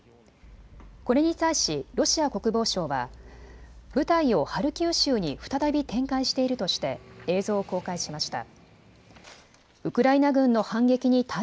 これに対しロシア国防省は部隊をハルキウ州に再び展開しているとして映像を公開しました。